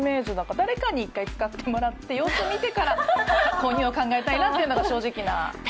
誰かに１回使ってもらって様子を見てから購入を考えたいなというのが正直な。